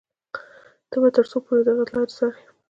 ته به تر څو پورې د هغه لارې څاري.